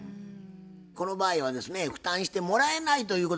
この場合はですね負担してもらえないということでございます。